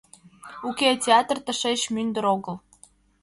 — Уке, театр тышеч мӱндыр огыл.